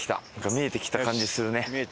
見えてきた感じするね。